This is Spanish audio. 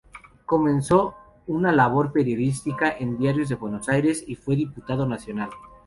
Comenzó una labor periodística en diarios de Buenos Aires y fue diputado nacional.